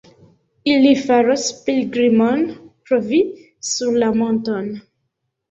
Ili faros pilgrimon pro vi sur la monton.